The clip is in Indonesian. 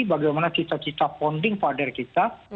bagaimana cita cita fonding pada kita